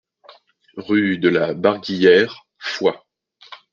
Rue de la Barguillère, Foix